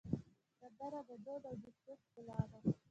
سندره د دود او دستور ښکلا ده